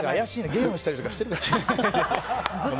ゲームしたりとかしてるでしょ。